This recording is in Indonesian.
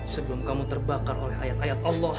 sebelum kamu terbakar oleh ayat ayat allah